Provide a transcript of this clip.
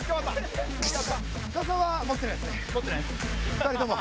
２人とも？